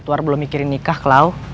etwar belum mikirin nikah klau